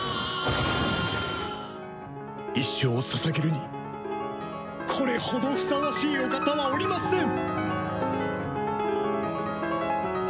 一生を捧げるにこれほどふさわしいお方はおりません！